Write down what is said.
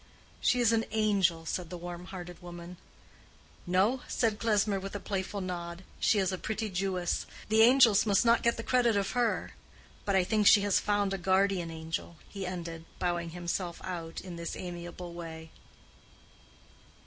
"She is an angel," said the warm hearted woman. "No," said Klesmer, with a playful nod; "she is a pretty Jewess: the angels must not get the credit of her. But I think she has found a guardian angel," he ended, bowing himself out in this amiable way.